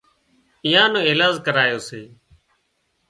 ايئان نو ايلاز ڪراوي سي